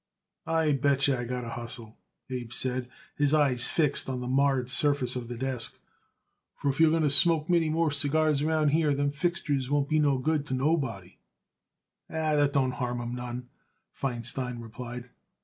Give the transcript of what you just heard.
"I bet yer I got to hustle," Abe said, his eyes fixed on the marred surface of the desk, "for if you're going to smoke many more cigars around here them fixtures won't be no more good to nobody." "That don't harm 'em none," Feinstein replied.